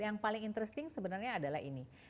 yang paling interesting sebenarnya adalah ini